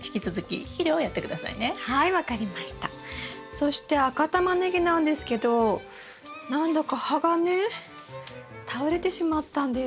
そして赤タマネギなんですけど何だか葉がね倒れてしまったんです。